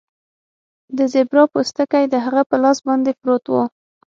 د زیبرا پوستکی د هغه په لاس باندې پروت و